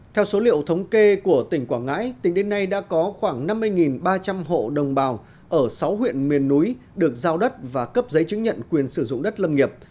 theo số liệu thống kê của tỉnh quảng ngãi tính đến nay đã có khoảng năm mươi ba trăm linh hộ đồng bào ở sáu huyện miền núi được giao đất và cấp giấy chứng nhận quyền sử dụng đất lâm nghiệp